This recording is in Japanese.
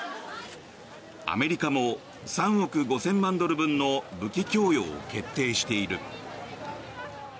アメリカも３億５０００万ドル分の武器供与を決定している。